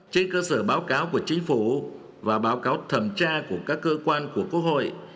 trên cơ sở báo cáo của chính phủ và báo cáo thẩm tra của các cơ quan của quốc hội